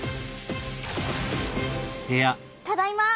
ただいま！